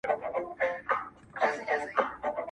سره غوښه او چاړه سوه -